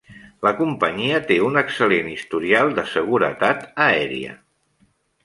La companyia té un excel·lent historial de seguretat aèria.